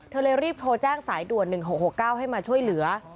เลยรีบโทรแจ้งสายด่วน๑๖๖๙ให้มาช่วยเหลือ